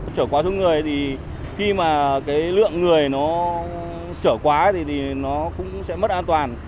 trở quá số người thì khi mà cái lượng người nó trở quá thì nó cũng sẽ mất an toàn